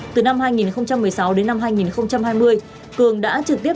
từ năm hai nghìn một mươi sáu đến năm hai nghìn hai mươi